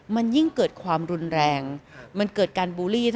มันยิ่งเกิดความรุนแรงมันเกิดการบูลลี่